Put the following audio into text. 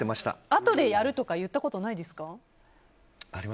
あとでやるとか言ったことないですか？